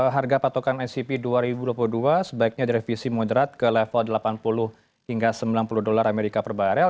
harga patokan scp dua ribu dua puluh dua sebaiknya direvisi moderat ke level delapan puluh hingga sembilan puluh dolar amerika per barel